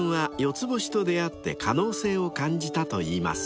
つぼしと出合って可能性を感じたと言います］